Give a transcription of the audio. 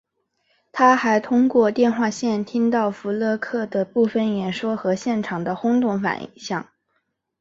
他还通过电话线听到福勒克的部分演说和现场的轰动反响。